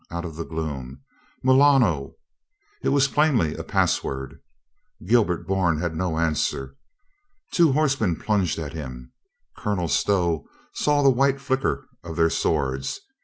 out of the gloom. "Milano?" It was plainly a password. Gilbert Bourne had no answer. Two horsemen plunged at him. Colonel Stow saw the white flicker of their swords.